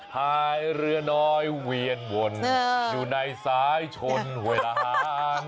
หายเรือน้อยเวียนวนอยู่ในซ้ายชนหวยละหาง